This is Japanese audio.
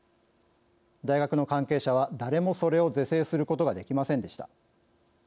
大学の関係者は誰もそれを是正することができませんでした。